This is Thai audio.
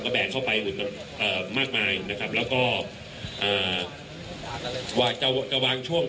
ก็แบ่งเข้าไปอุดเอ่อมากมายนะครับแล้วก็เอ่อว่าจะจะวางช่วง